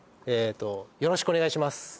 ええとよろしくお願いします